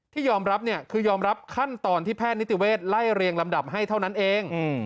ที่ยอมรับเนี่ยคือยอมรับขั้นตอนที่แพทย์นิติเวศไล่เรียงลำดับให้เท่านั้นเอง